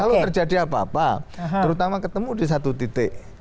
kalau terjadi apa apa terutama ketemu di satu titik